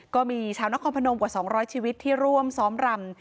ก็มีชาวนครพนมกว่า๒๐๐ชีวิตที่ร่วมซ้อมรำ